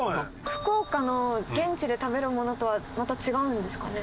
福岡の現地で食べるものとはまた違うんですかね？